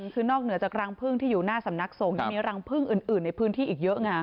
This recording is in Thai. คือนอกเหนือจากรังพึ่งที่อยู่หน้าสำนักสงฆ์ยังมีรังพึ่งอื่นในพื้นที่อีกเยอะไง